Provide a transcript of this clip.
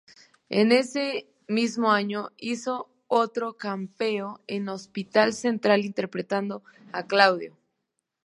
En ese mismo año, hizo otro cameo en "Hospital Central", interpretando a Claudio.